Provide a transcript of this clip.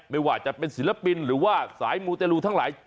ไม่ว่าจะเป็นศิลปินหรือว่าสายมูเตรลูทั้งหลาย